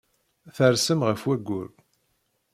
Tersem ɣef wayyur.